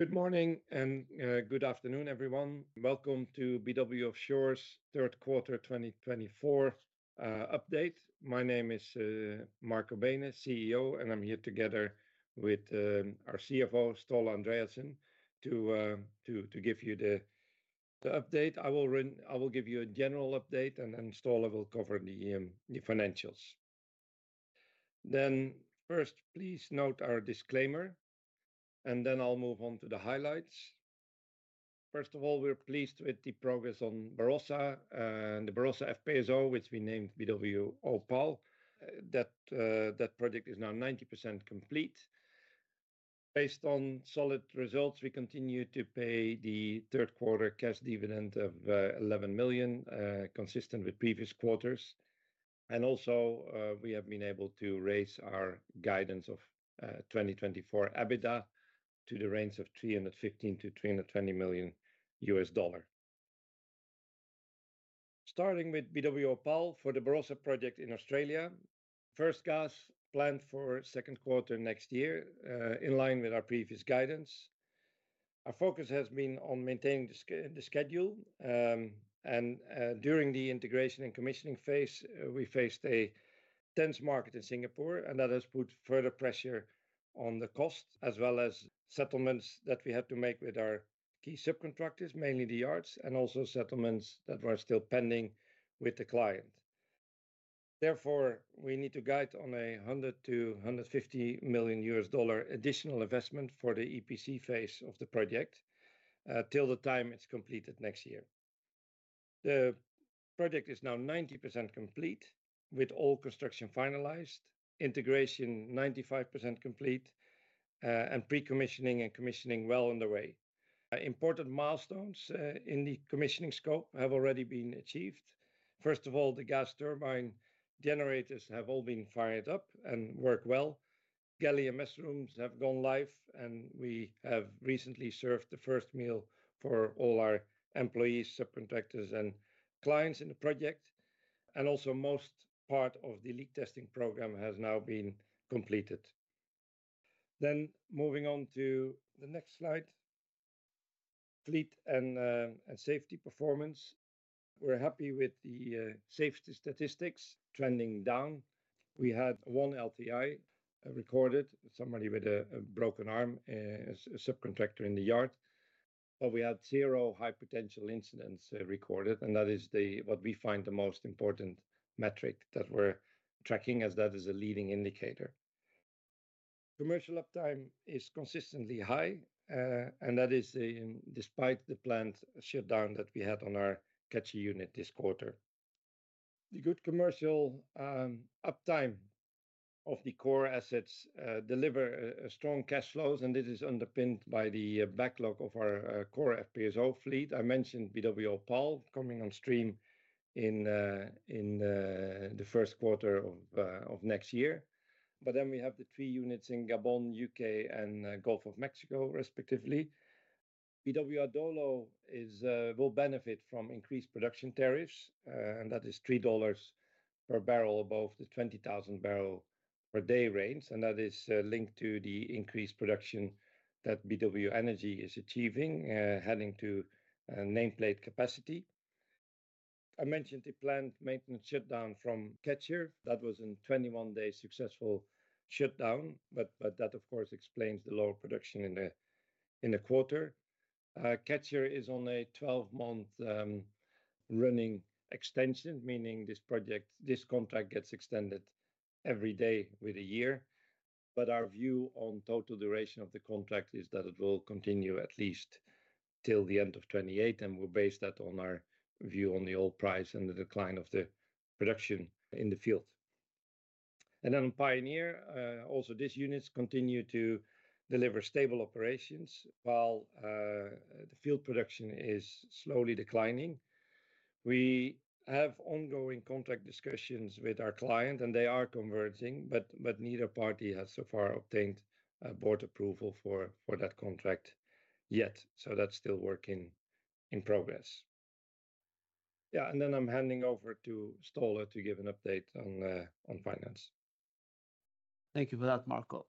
Good morning and good afternoon, everyone. Welcome to BW Offshore's third quarter 2024 update. My name is Marco Beenen, CEO, and I'm here together with our CFO, Ståle Andreassen, to give you the update. I will give you a general update, and then Ståle will cover the financials. Then, first, please note our disclaimer, and then I'll move on to the highlights. First of all, we're pleased with the progress on Barossa and the Barossa FPSO, which we named BW Pioneer. That project is now 90% complete. Based on solid results, we continue to pay the third quarter cash dividend of $11 million, consistent with previous quarters, and also we have been able to raise our guidance of 2024 EBITDA to the range of $315-$320 million. Starting with BW Pioneer for the Barossa project in Australia, first cash planned for second quarter next year, in line with our previous guidance. Our focus has been on maintaining the schedule, and during the integration and commissioning phase, we faced a tense market in Singapore, and that has put further pressure on the cost, as well as settlements that we had to make with our key subcontractors, mainly the yards, and also settlements that were still pending with the client. Therefore, we need to guide on a $100 million-$150 million additional investment for the EPC phase of the project, till the time it's completed next year. The project is now 90% complete with all construction finalized, integration 95% complete, and pre-commissioning and commissioning well underway. Important milestones in the commissioning scope have already been achieved. First of all, the gas turbine generators have all been fired up and work well. Galley and mess rooms have gone live, and we have recently served the first meal for all our employees, subcontractors, and clients in the project. Also, most part of the leak testing program has now been completed. Moving on to the next slide, fleet and safety performance. We're happy with the safety statistics trending down. We had one LTI recorded, somebody with a broken arm, a subcontractor in the yard, but we had zero high potential incidents recorded, and that is what we find the most important metric that we're tracking, as that is a leading indicator. Commercial uptime is consistently high, and that is despite the planned shutdown that we had on our Catcher unit this quarter. The good commercial uptime of the core assets delivers strong cash flows, and this is underpinned by the backlog of our core FPSO fleet. I mentioned BW Pioneer coming on stream in the first quarter of next year. But then we have the three units in Gabon, U.K., and Gulf of Mexico, respectively. BW Pioneer will benefit from increased production tariffs, and that is $3 per barrel above the 20,000 barrel per day range, and that is linked to the increased production that BW Energy is achieving, heading to nameplate capacity. I mentioned the planned maintenance shutdown from Catcher. That was a 21-day successful shutdown, but that, of course, explains the lower production in the quarter. Catcher is on a 12-month running extension, meaning this project, this contract gets extended every day with a year. But our view on total duration of the contract is that it will continue at least till the end of 2028, and we'll base that on our view on the oil price and the decline of the production in the field. And then on Pioneer, also these units continue to deliver stable operations while, the field production is slowly declining. We have ongoing contract discussions with our client, and they are converging, but neither party has so far obtained a board approval for that contract yet, so that's still work in progress. Yeah, and then I'm handing over to Ståle to give an update on finance. Thank you for that, Marco.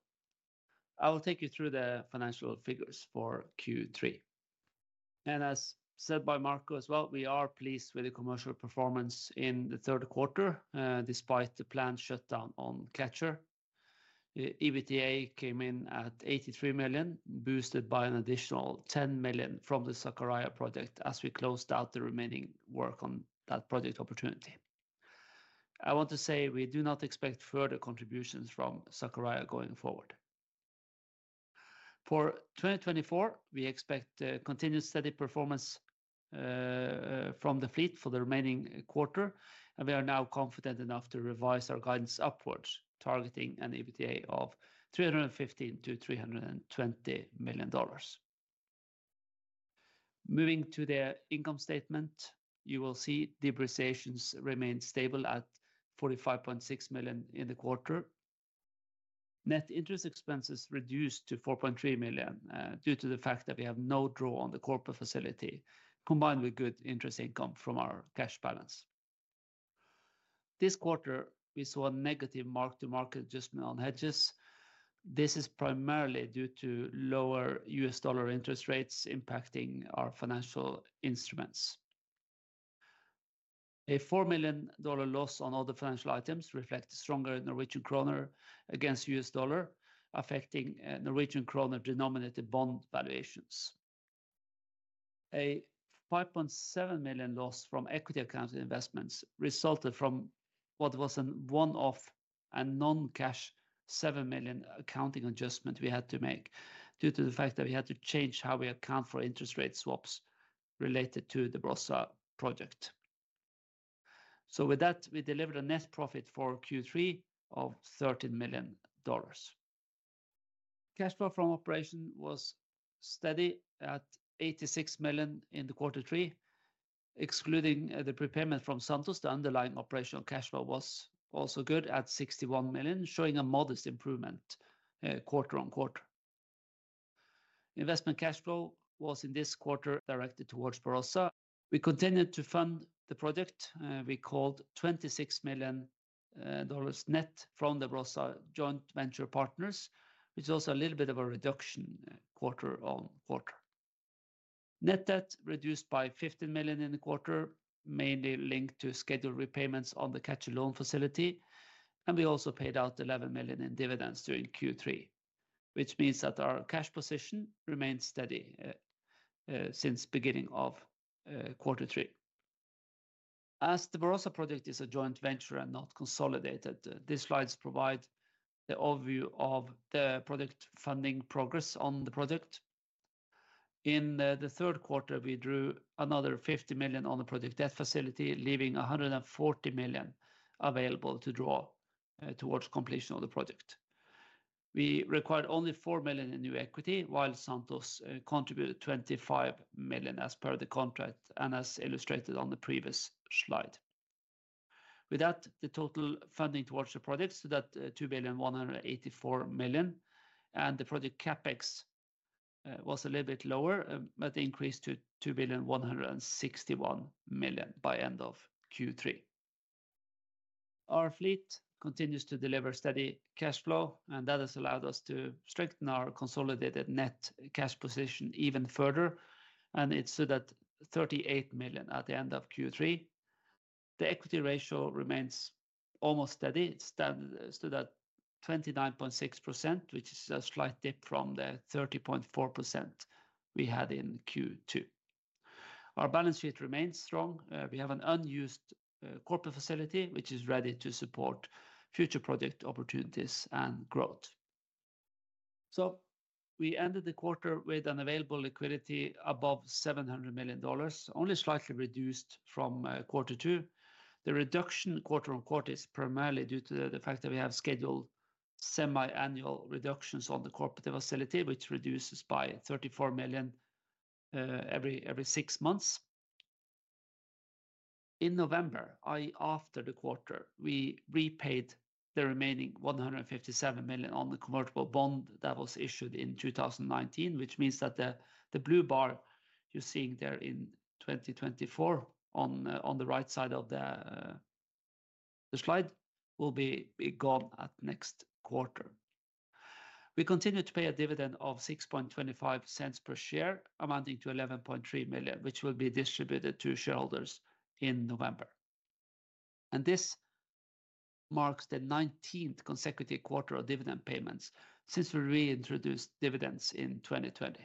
I will take you through the financial figures for Q3. As said by Marco as well, we are pleased with the commercial performance in the third quarter, despite the planned shutdown on Catcher. EBITDA came in at $83 million, boosted by an additional $10 million from the Sakarya project as we closed out the remaining work on that project opportunity. I want to say we do not expect further contributions from Sakarya going forward. For 2024, we expect the continued steady performance, from the fleet for the remaining quarter, and we are now confident enough to revise our guidance upwards, targeting an EBITDA of $315-$320 million. Moving to the income statement, you will see depreciations remain stable at $45.6 million in the quarter. Net interest expenses reduced to $4.3 million, due to the fact that we have no draw on the corporate facility, combined with good interest income from our cash balance. This quarter, we saw a negative mark-to-market adjustment on hedges. This is primarily due to lower U.S., dollar interest rates impacting our financial instruments. A $4 million loss on all the financial items reflects a stronger Norwegian krone against U.S., dollar, affecting Norwegian krone denominated bond valuations. A $5.7 million loss from equity accounted investments resulted from what was a one-off and non-cash $7 million accounting adjustment we had to make due to the fact that we had to change how we account for interest rate swaps related to the Barossa project. So with that, we delivered a net profit for Q3 of $13 million. Cash flow from operation was steady at $86 million in the quarter three. Excluding the prepayment from Santos, the underlying operational cash flow was also good at $61 million, showing a modest improvement, quarter on quarter. Investment cash flow was in this quarter directed towards Barossa. We continued to fund the project. We called $26 million, net from the Barossa joint venture partners, which is also a little bit of a reduction, quarter on quarter. Net debt reduced by $15 million in the quarter, mainly linked to scheduled repayments on the Catcher loan facility, and we also paid out $11 million in dividends during Q3, which means that our cash position remained steady since the beginning of quarter three. As the Barossa project is a joint venture and not consolidated, these slides provide the overview of the project funding progress on the project. In the third quarter, we drew another $50 million on the project debt facility, leaving $140 million available to draw towards completion of the project. We required only $4 million in new equity, while Santos contributed $25 million as per the contract, and as illustrated on the previous slide. With that, the total funding towards the project stood at $2,184 million, and the project Capex was a little bit lower, but increased to $2,161 million by the end of Q3. Our fleet continues to deliver steady cash flow, and that has allowed us to strengthen our consolidated net cash position even further, and it stood at $38 million at the end of Q3. The equity ratio remains almost steady. It stood at 29.6%, which is a slight dip from the 30.4% we had in Q2. Our balance sheet remains strong. We have an unused corporate facility, which is ready to support future project opportunities and growth. We ended the quarter with available liquidity above $700 million, only slightly reduced from quarter two. The reduction quarter on quarter is primarily due to the fact that we have scheduled semi-annual reductions on the corporate facility, which reduces by $34 million every six months. In November, i.e., after the quarter, we repaid the remaining $157 million on the convertible bond that was issued in 2019, which means that the blue bar you're seeing there in 2024 on the right side of the slide will be gone at next quarter. We continue to pay a dividend of $0.0625 per share, amounting to $11.3 million, which will be distributed to shareholders in November. This marks the 19th consecutive quarter of dividend payments since we reintroduced dividends in 2020.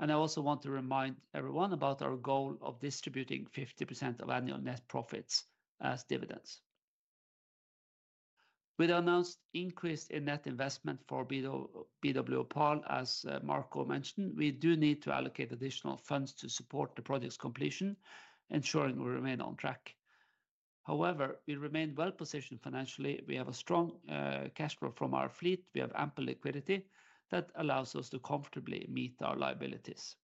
I also want to remind everyone about our goal of distributing 50% of annual net profits as dividends. With the announced increase in net investment for BW Pioneer, as Marco mentioned, we do need to allocate additional funds to support the project's completion, ensuring we remain on track. However, we remain well positioned financially. We have a strong cash flow from our fleet. We have ample liquidity that allows us to comfortably meet our liabilities.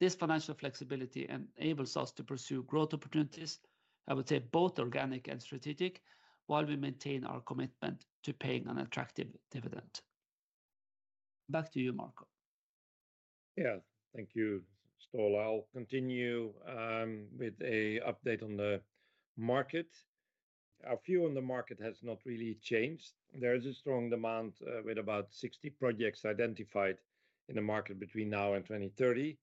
This financial flexibility enables us to pursue growth opportunities, I would say both organic and strategic, while we maintain our commitment to paying an attractive dividend. Back to you, Marco. Yeah, thank you, Ståle. I'll continue with an update on the market. Our view on the market has not really changed. There is a strong demand, with about 60 projects identified in the market between now and 2030,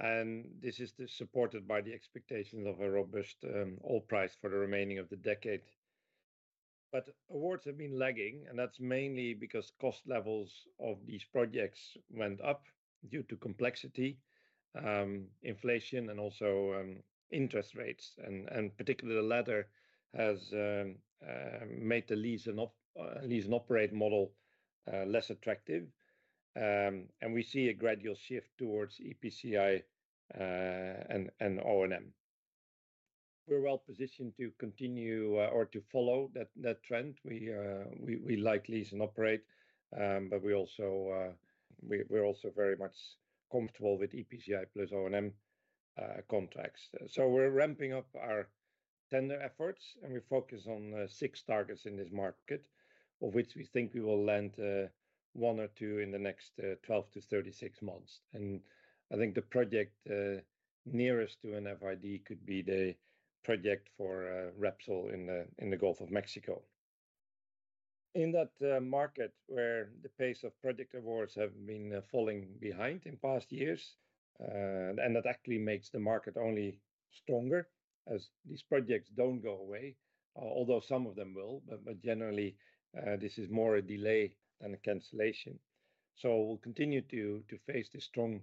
and this is supported by the expectations of a robust oil price for the remainder of the decade, but awards have been lagging, and that's mainly because cost levels of these projects went up due to complexity, inflation, and also interest rates, and particularly the latter has made the lease and operate model less attractive, and we see a gradual shift towards EPCI and O&M. We're well positioned to continue or to follow that trend. We like lease and operate, but we also, we're also very much comfortable with EPCI plus O&M contracts. We're ramping up our tender efforts, and we focus on six targets in this market, of which we think we will land one or two in the next 12-36 months. I think the project nearest to an FID could be the project for Repsol in the Gulf of Mexico. In that market where the pace of project awards have been falling behind in past years, and that actually makes the market only stronger as these projects don't go away, although some of them will, but generally, this is more a delay than a cancellation. We'll continue to face this strong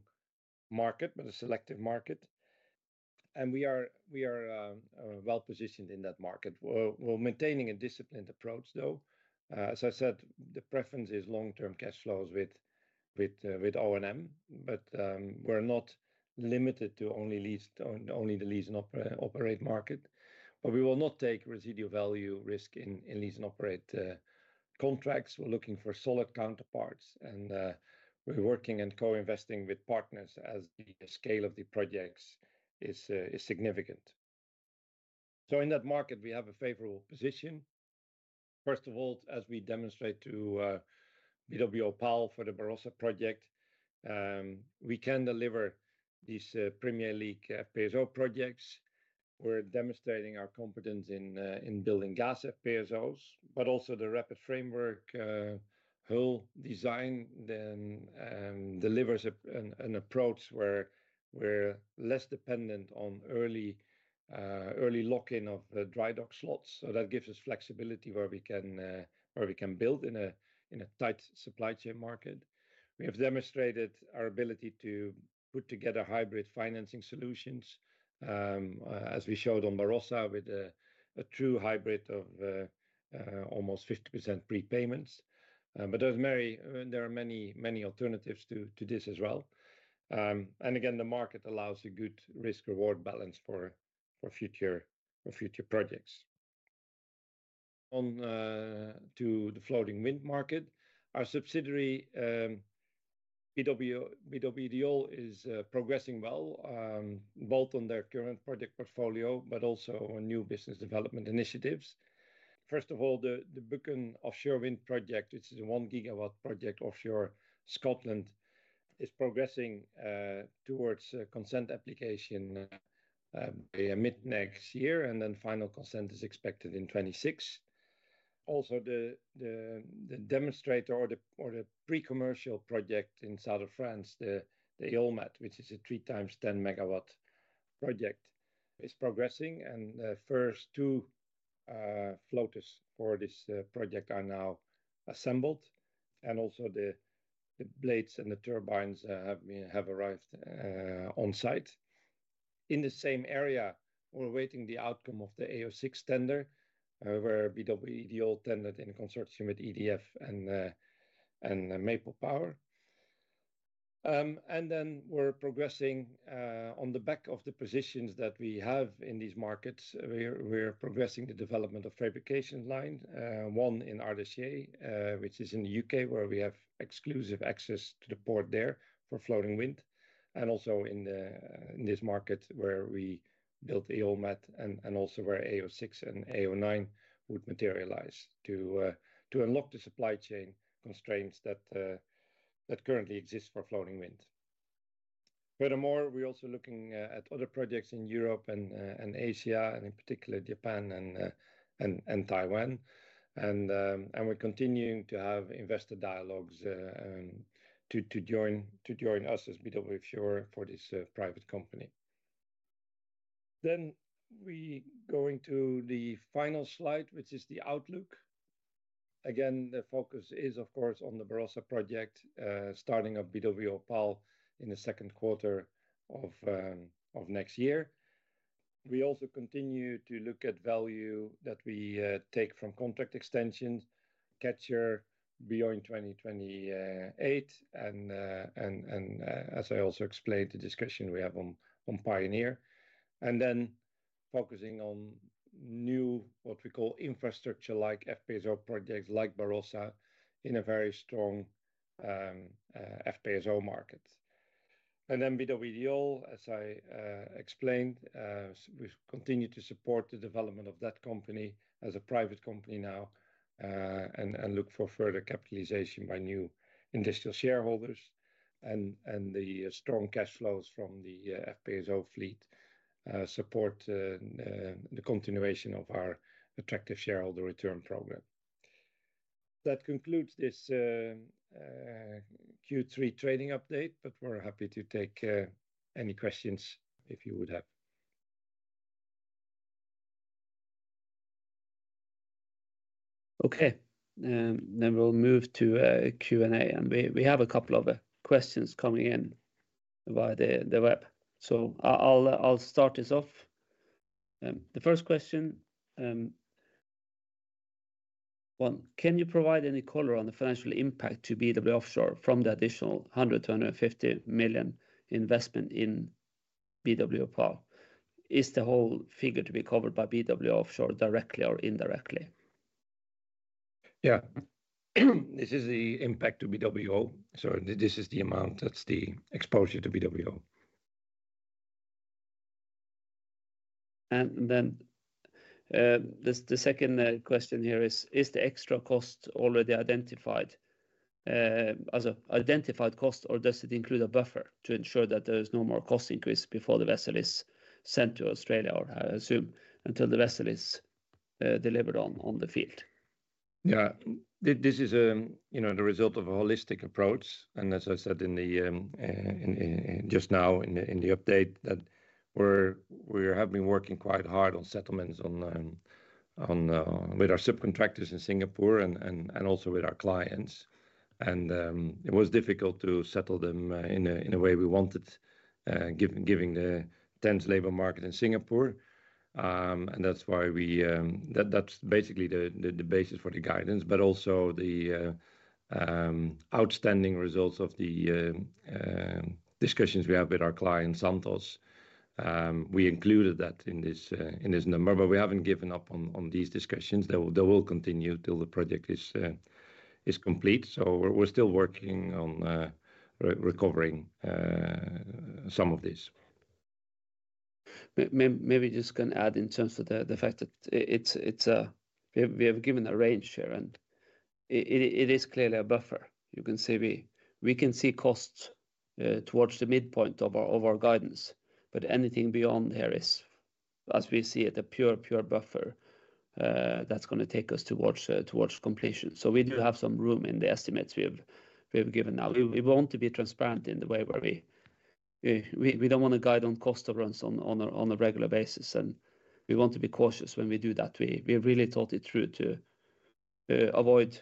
market, but a selective market. We are well positioned in that market. We're maintaining a disciplined approach, though. As I said, the preference is long-term cash flows with O&M, but we're not limited to only lease and only the lease and operate market. But we will not take residual value risk in lease and operate contracts. We're looking for solid counterparts, and we're working and co-investing with partners as the scale of the projects is significant. So in that market, we have a favorable position. First of all, as we demonstrate to BW Pioneer for the Barossa project, we can deliver these premier league FPSO projects. We're demonstrating our competence in building gas FPSOs, but also the RapidFramework hull design delivers an approach where we're less dependent on early lock-in of dry dock slots. So that gives us flexibility where we can build in a tight supply chain market. We have demonstrated our ability to put together hybrid financing solutions, as we showed on Barossa with a true hybrid of almost 50% prepayments. But as many, there are many alternatives to this as well. Again, the market allows a good risk-reward balance for future projects. On to the floating wind market, our subsidiary, BW Ideol, is progressing well, both on their current project portfolio, but also on new business development initiatives. First of all, the Buchan Offshore Wind project, which is a one gigawatt project offshore Scotland, is progressing towards a consent application by mid next year, and then final consent is expected in 2026. Also, the demonstrator or the pre-commercial project in South of France, the Eolmed, which is a three times 10-megawatt project, is progressing, and the first two floaters for this project are now assembled, and also the blades and the turbines have arrived on site. In the same area, we're awaiting the outcome of the AO6 tender, where BW Ideol tendered in consortium with EDF and Maple Power. And then we're progressing, on the back of the positions that we have in these markets, we're progressing the development of fabrication line one in Ardersier, which is in the UK, where we have exclusive access to the port there for floating wind, and also in this market where we built Eolmed, and also where AO6 and AO9 would materialize to unlock the supply chain constraints that currently exist for floating wind. Furthermore, we're also looking at other projects in Europe and Asia, and in particular Japan and Taiwan. We're continuing to have investor dialogues to join us as BW Offshore for this private company. We go into the final slide, which is the outlook. Again, the focus is, of course, on the Barossa project, starting of BW Pioneer, in the second quarter of next year. We also continue to look at value that we take from contract extensions, Catcher beyond 2028, and, as I also explained, the discussion we have on Pioneer, and then focusing on new what we call infrastructure-like FPSO projects like Barossa in a very strong FPSO market. And then BW Ideol, as I explained, we continue to support the development of that company as a private company now, and look for further capitalization by new industrial shareholders, and the strong cash flows from the FPSO fleet support the continuation of our attractive shareholder return program. That concludes this Q3 trading update, but we're happy to take any questions if you would have. Okay, then we'll move to a Q&A, and we have a couple of questions coming in via the web. So I'll start this off. The first question, one, can you provide any color on the financial impact to BW Offshore from the additional 100-150 million investment in BW Pioneer? Is the whole figure to be covered by BW Offshore directly or indirectly? Yeah, this is the impact to BWO. So this is the amount that's the exposure to BWO. Then, the second question here is, is the extra cost already identified as an identified cost, or does it include a buffer to ensure that there is no more cost increase before the vessel is sent to Australia, or I assume until the vessel is delivered on the field? Yeah, this is, you know, the result of a holistic approach. And as I said just now in the update that we have been working quite hard on settlements with our subcontractors in Singapore and also with our clients. And it was difficult to settle them in a way we wanted, given the tense labor market in Singapore. And that's why that's basically the basis for the guidance, but also the outstanding results of the discussions we have with our client Santos. We included that in this number, but we haven't given up on these discussions. They will continue till the project is complete. So we're still working on recovering some of this. Maybe just going to add in terms of the fact that it's we have given a range here, and it is clearly a buffer. You can see we can see costs towards the midpoint of our guidance, but anything beyond here is, as we see it, a pure buffer that's going to take us towards completion. So we do have some room in the estimates we have given out. We want to be transparent in the way where we don't want to guide on cost overruns on a regular basis, and we want to be cautious when we do that. We really thought it through to avoid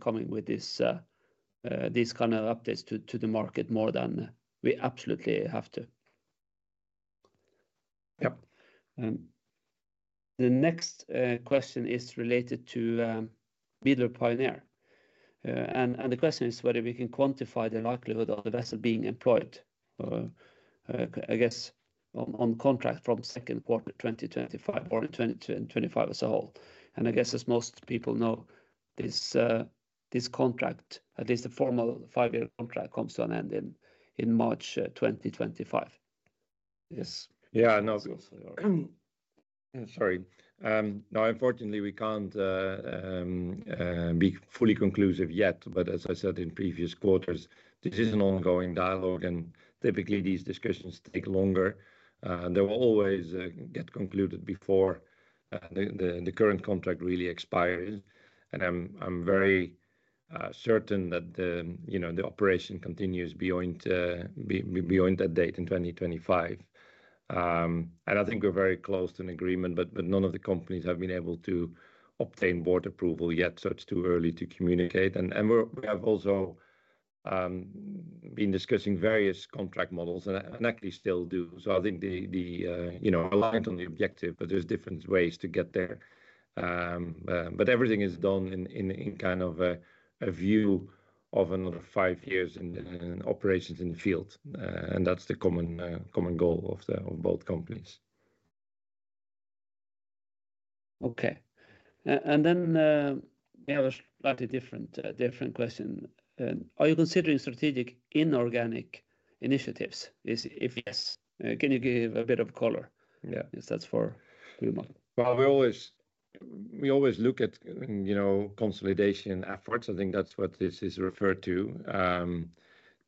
coming with these kind of updates to the market more than we absolutely have to. Yep. The next question is related to BW Pioneer, and the question is whether we can quantify the likelihood of the vessel being employed, I guess on contract from second quarter 2025 or 2025 as a whole. And I guess as most people know, this contract, at least the formal five-year contract, comes to an end in March 2025. Yes. Yeah, no. Sorry. Now, unfortunately, we can't be fully conclusive yet, but as I said in previous quarters, this is an ongoing dialogue, and typically these discussions take longer. They will always get concluded before the current contract really expires, and I'm very certain that, you know, the operation continues beyond that date in 2025, and I think we're very close to an agreement, but none of the companies have been able to obtain board approval yet, so it's too early to communicate, and we have also been discussing various contract models, and actually still do. I think, you know, we're aligned on the objective, but there's different ways to get there, but everything is done in kind of a view of another five years in operations in the field. And that's the common, common goal of the, of both companies. Okay. Then, we have a slightly different question. Are you considering strategic inorganic initiatives? If yes, can you give a bit of color? Yeah. If that's for. We always, we always look at, you know, consolidation efforts. I think that's what this is referred to.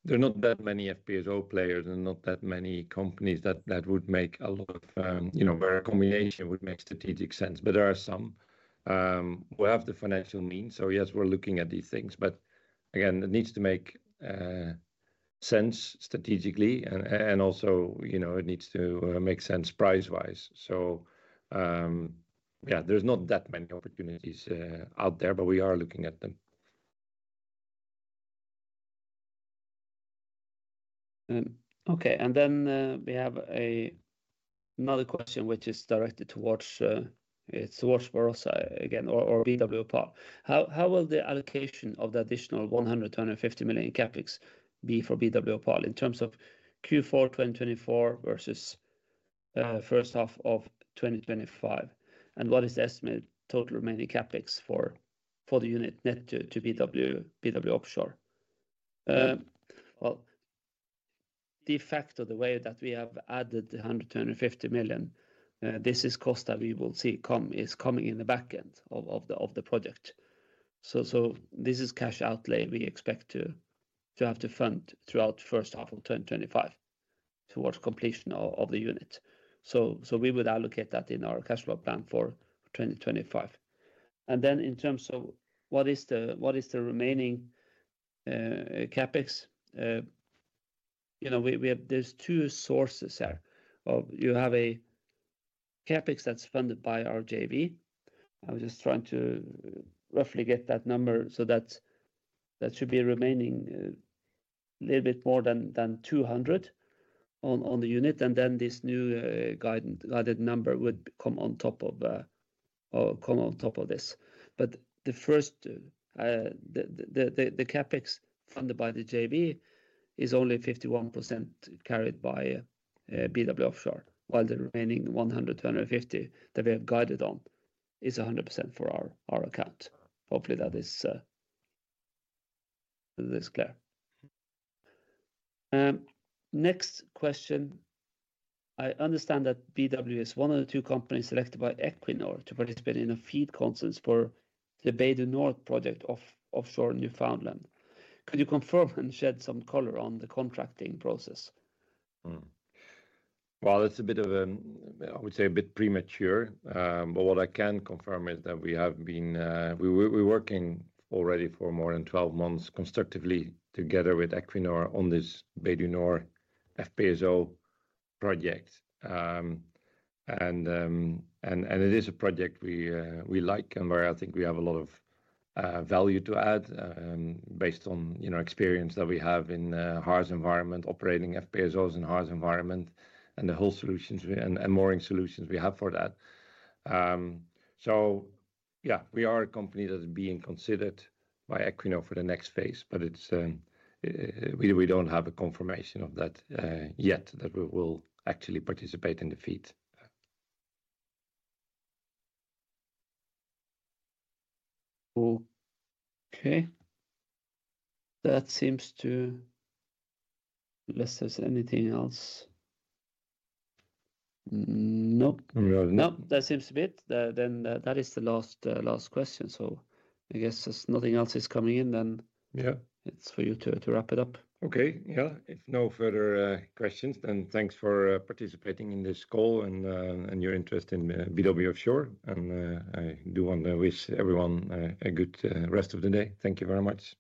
There are not that many FPSO players and not that many companies that would make a lot of, you know, where a combination would make strategic sense. But there are some. We have the financial means. So yes, we're looking at these things, but again, it needs to make sense strategically. And also, you know, it needs to make sense price-wise. So yeah, there's not that many opportunities out there, but we are looking at them. And then, we have another question, which is directed towards Barossa again, or BW Pioneer. How will the allocation of the additional $100-$150 million Capex be for BW Pioneer in terms of Q4 2024 versus first half of 2025? And what is the estimated total remaining Capex for the unit net to BW Pioneer? Well, the fact of the way that we have added the $100-$150 million, this is cost that we will see come, is coming in the backend of the project. So this is cash outlay we expect to have to fund throughout the first half of 2025 towards completion of the unit. So we would allocate that in our cash flow plan for 2025. Then in terms of what is the remaining Capex, you know, we have. There's two sources here of. You have a Capex that's funded by RJV. I was just trying to roughly get that number. So that's that should be remaining a little bit more than 200 on the unit. Then this new guided number would come on top of this. But the first the Capex funded by the JV is only 51% carried by BW Offshore, while the remaining 100-150 that we have guided on is 100% for our account. Hopefully that is clear. Next question. I understand that BW is one of the two companies selected by Equinor to participate in a FEED conference for the Bay du Nord project offshore Newfoundland. Could you confirm and shed some color on the contracting process? It's a bit of a, I would say, bit premature. But what I can confirm is that we have been, we're working already for more than 12 months constructively together with Equinor on this Bay du Nord FPSO project. And it is a project we like and where I think we have a lot of value to add, based on, you know, experience that we have in harsh environment, operating FPSOs in harsh environment, and the hull solutions and mooring solutions we have for that. Yeah, we are a company that is being considered by Equinor for the next phase, but it's, we don't have a confirmation of that yet that we will actually participate in the FEED. Okay. Unless there's anything else. Nope. That is the last question. So I guess, as nothing else is coming in, then. Yeah. It's for you to wrap it up. Okay. Yeah. If no further questions, then thanks for participating in this call and your interest in BW Offshore, and I do want to wish everyone a good rest of the day. Thank you very much.